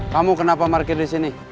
kamu kenapa market disini